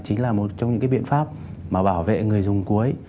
chính là một trong những cái biện pháp mà bảo vệ người dùng cuối